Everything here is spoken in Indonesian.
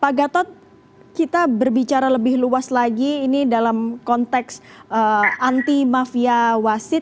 pak gatot kita berbicara lebih luas lagi ini dalam konteks anti mafia wasit